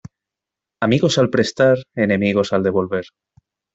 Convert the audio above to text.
Amigos al prestar, enemigos al devolver.